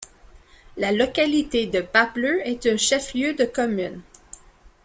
La localité de Gbapleu est un chef-lieu de commune.